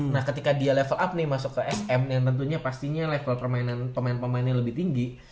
nah ketika dia level up nih masuk ke sm yang tentunya pastinya level pemain pemain yang lebih tinggi